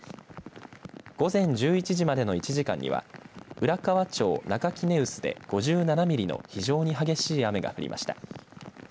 午前１１時までの１時間には浦河町中杵臼で５７ミリの非常に激しい雨が降りました。